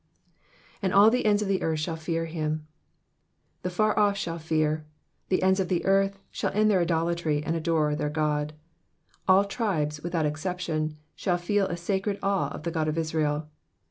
^^And all the ends of the earth shall fear him.^^ The far off shall fear. The ends of the earth shall end their idolatry, and adore their God. All tribes, without exception, shall feel a sacred awe of the God of Israel.